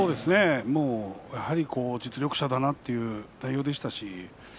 やはり実力者だなという内容でした。